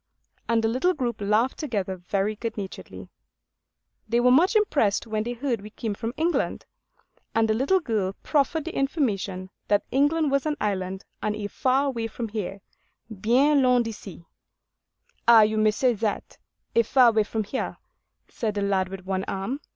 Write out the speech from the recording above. And the little group laughed together very good naturedly. They were much impressed when they heard we came from England; and the little girl proffered the information that England was an island 'and a far way from here—bien loin d'ici.' 'Ay, you may say that, a far way from here,' said the lad with one arm.